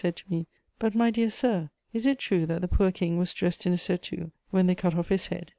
said to me: "But, my dear sir, is it true that the poor King was dressed in a surtout when they cut off his head?"